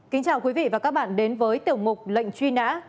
kính chào quý vị và các bạn đến với tiểu mục lệnh truy nã